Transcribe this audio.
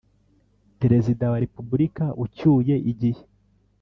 Perezida wa Repubulika ucyuye igihe